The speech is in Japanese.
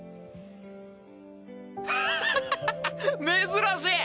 珍しい！